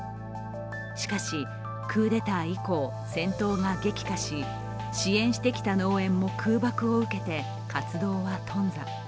しかし、クーデター以降、戦闘が激化し支援してきた農園も空爆を受けて活動は頓挫。